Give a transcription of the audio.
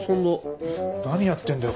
何やってんだよ？